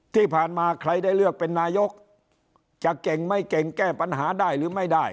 ที่ผ่านมาใครได้เลือกเป็นนายกจะเก่งไม่เก่งแก้ปัญหาได้หรือไม่ได้